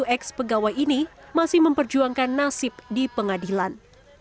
tujuh ex pegawai ini masih memperjuangkan nasib di pengadilan